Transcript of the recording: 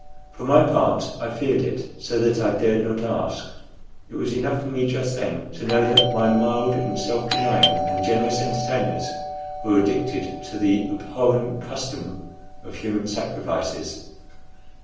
For my part, I feared it so that I dared not ask. It was enough for me just then to know that my mild and self denying and generous entertainers were addicted to the abhorrent custom of human sacrifices.